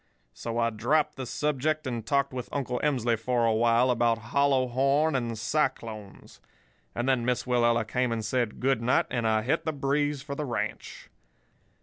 So I dropped the subject and talked with Uncle Emsley for a while about hollow horn and cyclones. And then Miss Willella came and said 'Good night,' and I hit the breeze for the ranch.